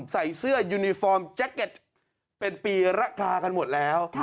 ใส่เสื้อยูนิฟอร์มแจ็คเก็ตเป็นปีระกากันหมดแล้ว